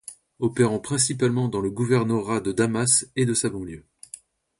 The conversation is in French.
Opérant principalement dans le gouvernorat de Damas et sa banlieue.